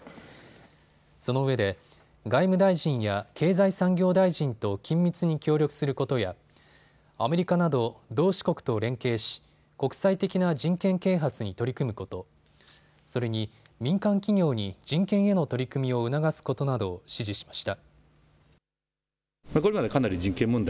そのうえで外務大臣や経済産業大臣と緊密に協力することやアメリカなど同志国と連携し国際的な人権啓発に取り組むこと、それに民間企業に人権への取り組みを促すことなどを指示しました。